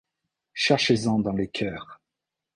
Cherchez-en dans les coeurs.